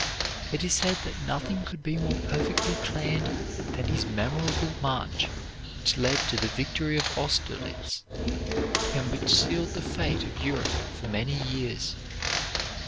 It is said that nothing could be more perfectly planned than his memorable march which led to the victory of Austerlitz, and which sealed the fate of Europe for many years.